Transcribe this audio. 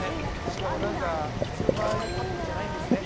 しかも何か普通のああいうパックじゃないんですね